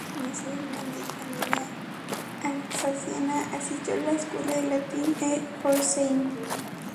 Nacido en una humilde familia alsaciana, asistió a la escuela de latín en Pforzheim.